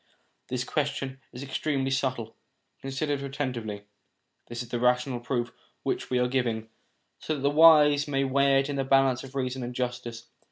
This question is extremely subtle : consider it atten tively. This is a rational proof which we are giving, so that the wise may weigh it in the balance of reason and justice.